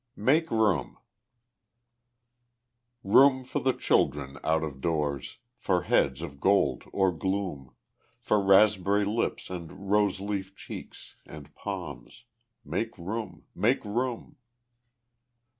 Make Room Room for the children out of doors, For heads of gold or gloom; For raspberry lips and rose leaf cheeks and palms, Make room make room!